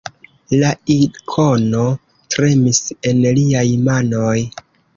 La Ikono tremis en liaj manoj.